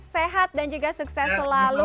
sehat dan juga sukses selalu